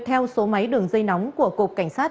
theo số máy đường dây nóng của cục cảnh sát